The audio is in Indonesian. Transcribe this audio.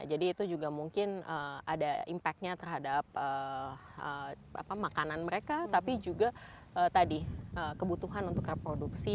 jadi itu juga mungkin ada impact nya terhadap makanan mereka tapi juga tadi kebutuhan untuk reproduksi